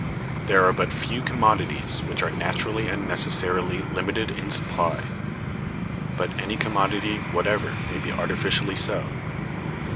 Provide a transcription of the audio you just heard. There are but few commodities which are naturally and necessarily limited in supply. But any commodity whatever may be artificially so.